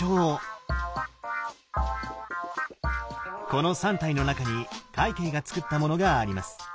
この３体の中に快慶がつくったものがあります。